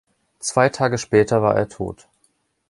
Zwei Tage später war er tot.